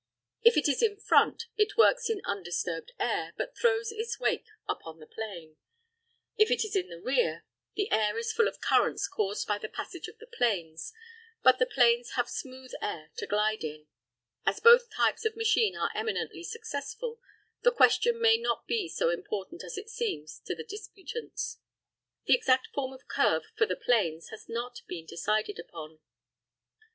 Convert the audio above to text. If it is in front, it works in undisturbed air, but throws its wake upon the plane. If it is in the rear, the air is full of currents caused by the passage of the planes, but the planes have smooth air to glide into. As both types of machine are eminently successful, the question may not be so important as it seems to the disputants. The exact form of curve for the planes has not been decided upon.